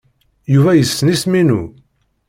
Yuba yessen isem-inu?